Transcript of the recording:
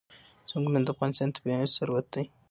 ځنګلونه د افغانستان طبعي ثروت دی.